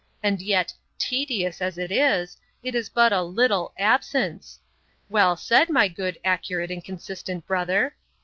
and yet, TEDIOUS as it is, it is but a LITTLE ABSENCE. Well said, my good, accurate, and consistent brother!